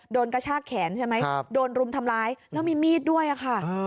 กระชากแขนใช่ไหมโดนรุมทำร้ายแล้วมีมีดด้วยค่ะ